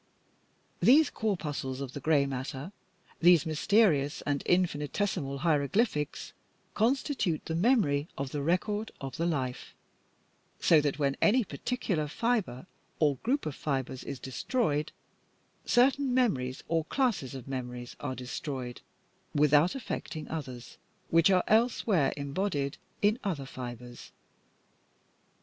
These corpuscles of the grey matter, these mysterious and infinitesimal hieroglyphics, constitute the memory of the record of the life, so that when any particular fibre or group of fibres is destroyed certain memories or classes of memories are destroyed, without affecting others which are elsewhere embodied in other fibres.